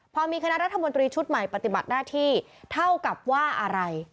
พอมีคณะรัฐมนตรีชุดใหม่ปฏิบัติหน้าที่เท่ากับว่าอะไร